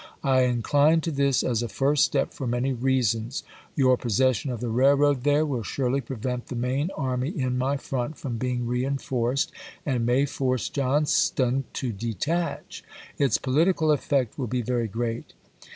I in chne to this, as a first step, for many reasons. Your possession of the railroad there will surely prevent the main army in my front from being reenforced EAST TENNESSEE 73 and may force Johnston to detach. Its political chap. iv. effect will be very erreat."